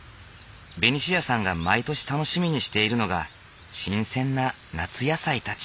ベニシアさんが毎年楽しみにしているのが新鮮な夏野菜たち。